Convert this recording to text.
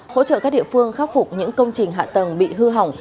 hỗ trợ các địa phương khắc phục những công trình hạ tầng bị hư hỏng